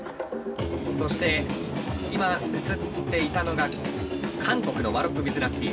そして今映っていたのが韓国のワロップ・ウィズ・ナスティー。